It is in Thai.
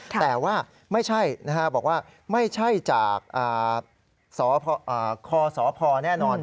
แต่ว่าไม่ใช่บอกว่าไม่ใช่จากสคสพแน่นอน